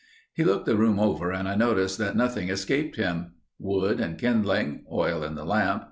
He looked the room over and I noticed that nothing escaped him. Wood and kindling. Oil in the lamp.